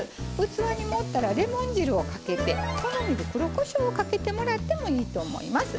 器に盛ったらレモン汁をかけて好みで黒こしょうをかけてもらってもいいと思います。